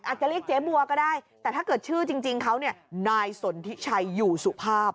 อาจจะเรียกเจ๊บัวก็ได้แต่ถ้าเกิดชื่อจริงเขาเนี่ยนายสนทิชัยอยู่สุภาพ